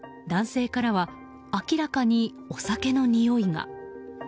男性からは明らかにお酒のにおいが。